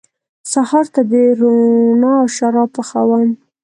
سهار ته د روڼا شراب پخوم